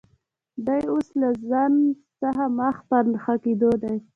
دی اوس له زنځ څخه مخ پر ښه کېدو دی